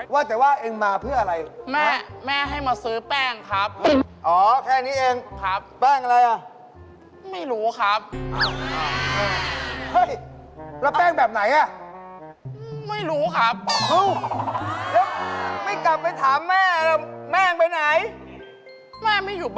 ก๋าถือกครับผมเนี่ยเนี่ยแป้งพับอันนี้ดีมากน่ะเนี่ย